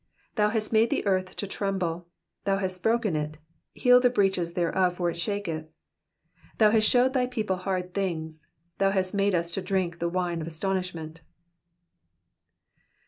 2 Thou hast made the earth to tremble ; thou hast broken it : heal the breaches thereof ; for it shaketh. 3 Thou hast showed thy people hard things : thou hast made us to drink the wine of astonishment.